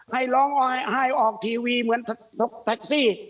ให้ร้องไห้ออกทีวีเหมือนรถแท็กซี่